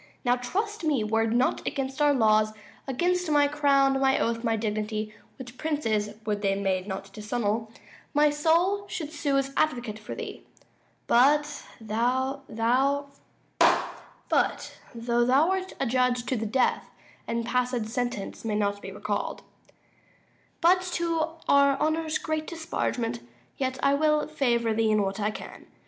Now, trust me, were it not against our laws, Against my crown, my oath, my dignity, Which princes, would they, may not disannul, 145 My soul should sue as advocate for thee. But, though thou art adjudged to the death, And passed sentence may not be recall'd But to our honour's great disparagement, Yet will I favour thee in what I can.